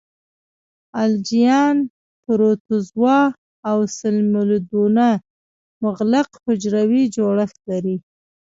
الجیان، پروتوزوا او سلیمولدونه مغلق حجروي جوړښت لري.